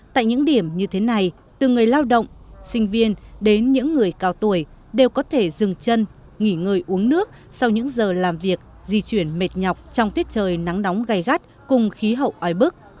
tại những điểm như thế này từ người lao động sinh viên đến những người cao tuổi đều có thể dừng chân nghỉ ngơi uống nước sau những giờ làm việc di chuyển mệt nhọc trong tiết trời nắng nóng gai gắt cùng khí hậu oi bức